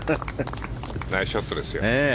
ナイスショットですね。